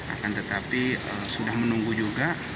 akan tetapi sudah menunggu juga